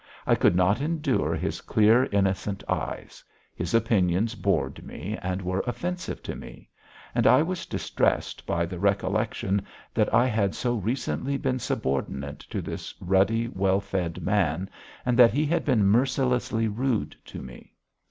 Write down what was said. I could not endure his clear, innocent eyes; his opinions bored me and were offensive to me, and I was distressed by the recollection that I had so recently been subordinate to this ruddy, well fed man, and that he had been mercilessly rude to me.